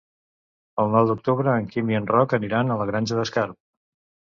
El nou d'octubre en Quim i en Roc aniran a la Granja d'Escarp.